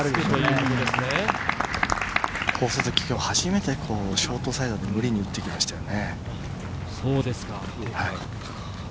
今日初めてショートサイドに無理に打ってきましたね。